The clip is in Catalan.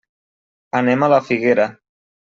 Anem a la Figuera.